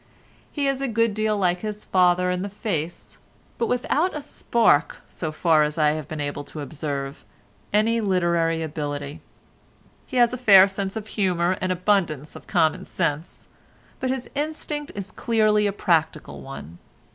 He is a good deal like his father in the face, but without a spark—so far as I have been able to observe—any literary ability; he has a fair sense of humour and abundance of common sense, but his instinct is clearly a practical one.